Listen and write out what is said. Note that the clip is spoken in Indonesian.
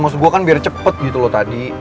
maksud gue kan biar cepet gitu loh tadi